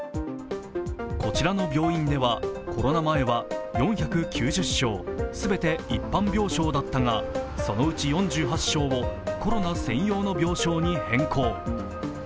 こちらの病院では、コロナ前は４９０床、すべて一般病床だったがそのうち４８床をコロナ専用の病床に変更。